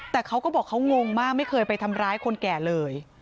แต่เขาก็บอกเขางงมากไม่เคยไปทำร้ายคนแก่เลย